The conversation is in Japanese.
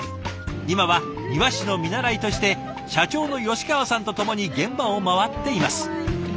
今は庭師の見習いとして社長の吉川さんとともに現場を回っています。